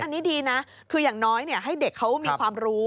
อันนี้ดีนะคืออย่างน้อยให้เด็กเขามีความรู้